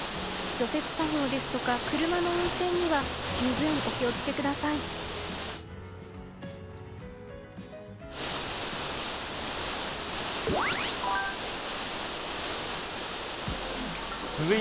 除雪作業ですとか車の運転には十分お気をつけください。